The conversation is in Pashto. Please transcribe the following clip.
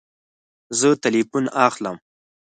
زه تلیفون اخلم